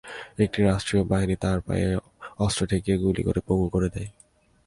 একটি রাষ্ট্রীয় বাহিনী তার পায়ে অস্ত্র ঠেকিয়ে গুলি করে পঙ্গু করে দেয়।